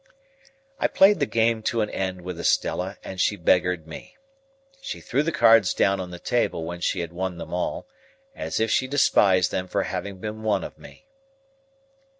I played the game to an end with Estella, and she beggared me. She threw the cards down on the table when she had won them all, as if she despised them for having been won of me.